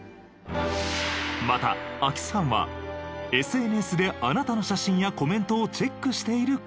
また空き巣犯はＳＮＳであなたの写真やコメントをチェックしている事も。